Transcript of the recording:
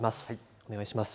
お願いします。